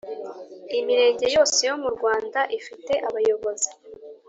Imirenge yose yo murwanda ifite abayobozi